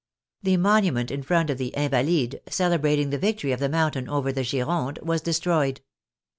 The monument in front of the " Invalides," celebrating the victory of the Mountain over the Gironde, was destroyed.